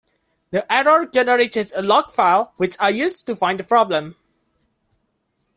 The error generated a log file which I used to find the problem.